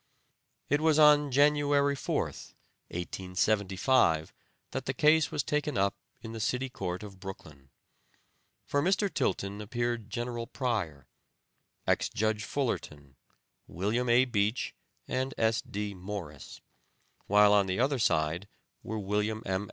It was on January 4th, 1875, that the case was taken up in the City Court of Brooklyn. For Mr. Tilton appeared General Pryor, ex Judge Fullerton, William A. Beach and S. D. Morris; while on the other side were William M.